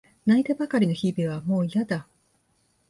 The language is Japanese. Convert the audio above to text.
泣いてばかりの日々はもういやだ。